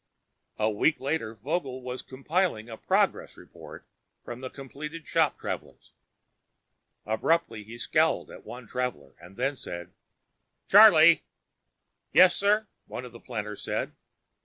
A week later, Vogel was compiling a progress report from completed shop travelers. Abruptly he scowled at one traveler, then said, "Charlie!" "Yes, sir," one of the planners said.